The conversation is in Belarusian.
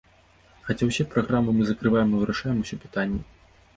Хаця ўсе праграмы мы закрываем і вырашаем усе пытанні.